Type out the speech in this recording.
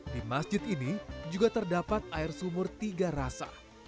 di masjid ini juga terdapat air sumur tiga rasa